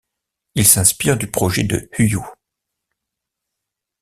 Ils s'inspirent du projet de Huyot.